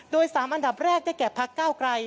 โดย๓อันดับแรกได้แก่พักเก้าไกร